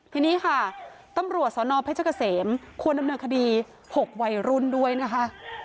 ทีนี้ค่ะตำรวจสนเพชรเกษมควรดำเนินคดี๖วัยรุ่นด้วยนะคะ